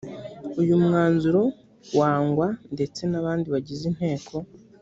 uyu mwanzuro wangwa ndetse n’abandi bagize inteko